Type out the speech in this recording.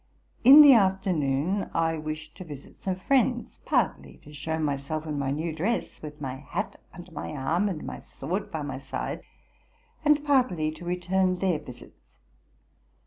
In the afternoon I wished. to visit some friends, partly to show myself in my new dress, with my hat under my arm and my sword by my side, and partly to return their visits.